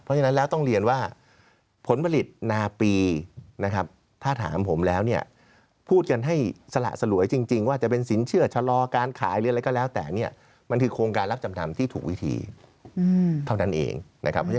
เพราะฉะนั้นแล้วต้องเรียนว่าผลผลิตนาปีนะครับถ้าถามผมแล้วเนี่ยพูดกันให้สละสลวยจริงว่าจะเป็นสินเชื่อชะลอการขายหรืออะไรก็แล้วแต่เนี่ยมันคือโครงการรับจำนำที่ถูกวิธีเท่านั้นเองนะครับ